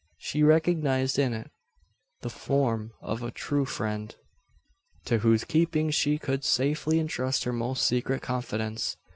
She recognised in it the form of a true friend to whose keeping she could safely entrust her most secret confidence.